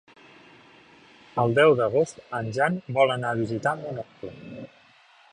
El deu d'agost en Jan vol anar a visitar mon oncle.